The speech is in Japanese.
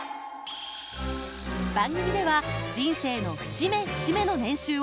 番組では人生の節目節目の年収を随時発表。